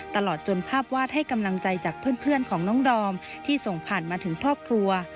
ตลอดจนภาพวาดให้กำลังใจจากเพื่อนของน้องดอมที่ส่งผ่านมาถึงครอบครัว